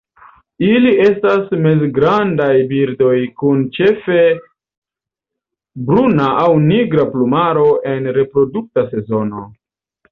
Ili estas mezgrandaj birdoj kun ĉefe bruna aŭ nigra plumaro en reprodukta sezono.